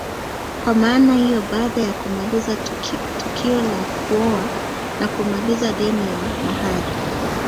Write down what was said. Kwa maana hiyo baada ya kumaliza tukio la kuoa na kumaliza deni la mahari